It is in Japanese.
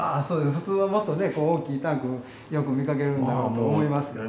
普通はもっとね大きいタンクよく見かけるんやろうと思いますけどね。